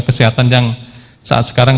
kesehatan yang saat sekarang